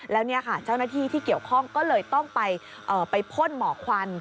แล้วเนี่ยค่ะเจ้าหน้าที่ที่เกี่ยวข้องก็เลยต้องไปพ่นหมอกควัน